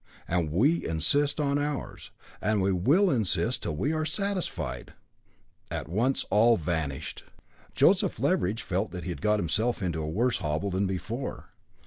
And we insist on ours, and will insist till we are satisfied." At once all vanished. Joseph Leveridge felt that he had got himself into a worse hobble than before.